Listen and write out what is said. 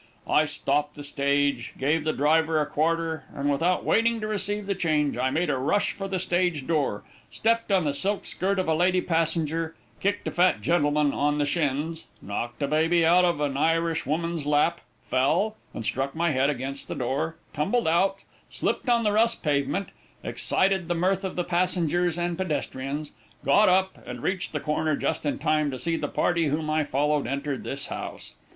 I stopped the stage, gave the driver a quarter, and without waiting to receive the change, I made a rush for the stage door, stepped on the silk skirt of a lady passenger, kicked a fat gentleman on the shins, knocked a baby out of an Irishwoman's lap, fell, and struck my head against the door, tumbled out, slipped on the Russ pavement, excited the mirth of the passengers and pedestrians, got up, and reached the corner just in time to see the party whom I followed enter this house.